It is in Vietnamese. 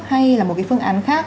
hay là một cái phương án khác